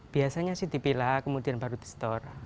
biasanya sih dipilah kemudian baru di store